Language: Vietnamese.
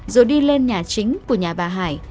rồi đi lên nhà chính của nhà bà hải